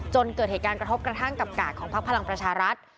เกิดเหตุการณ์กระทบกระทั่งกับกาดของพักพลังประชารัฐ